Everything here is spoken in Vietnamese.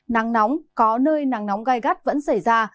nắng nóng có nơi nắng nóng gai gắt vẫn xảy ra